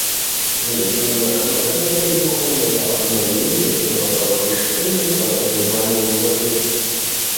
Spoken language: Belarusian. Знешнім знакам пакаяння і духоўнага абнаўлення ён абраў хрышчэнне праз абмыванне ў вадзе.